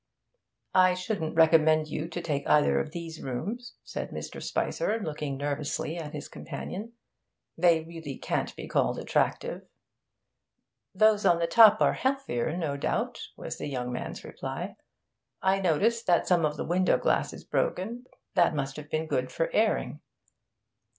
'I shouldn't recommend you to take either of these rooms,' said Mr. Spicer, looking nervously at his companion. 'They really can't be called attractive.' 'Those on the top are healthier, no doubt,' was the young man's reply. 'I noticed that some of the window glass is broken. That must have been good for airing.'